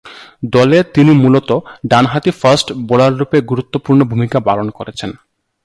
দলে তিনি মূলতঃ ডানহাতি ফাস্ট বোলাররূপে গুরুত্বপূর্ণ ভূমিকা পালন করছেন।